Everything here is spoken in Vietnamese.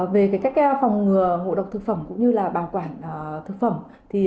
và các cách để chế biến bảo quản thực phẩm đó là phải nấu chín kỹ